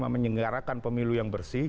menyegarakan pemilu yang bersih